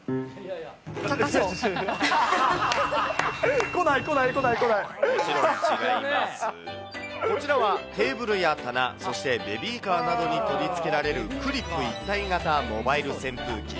もちろん、こちらはテーブルや棚、そしてベビーカーなどに取り付けられる、クリップ一体型モバイル扇風機。